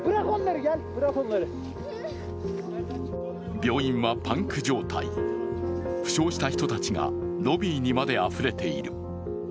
病院はパンク状態、負傷した人たちがロビーにまであふれている。